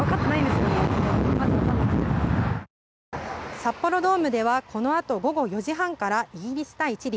札幌ドームではこのあと午後４時半からイギリス対チリ。